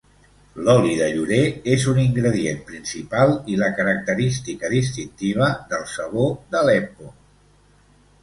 L'oli de llorer és un ingredient principal i la característica distintiva del sabó d'Aleppo.